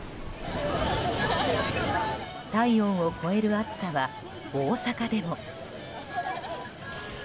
体温を超える暑さは大阪でも。